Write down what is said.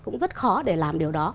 cũng rất khó để làm điều đó